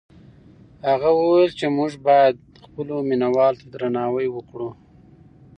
هغه وویل چې موږ باید خپلو مینه والو ته درناوی وکړو.